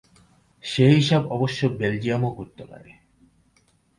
সে হিসাব অবশ্য বেলজিয়ামও করতে পারে।